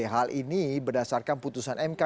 hal ini berdasarkan putusan mk